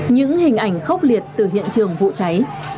những hình ảnh khốc liệt từ hiện trường vụ cháy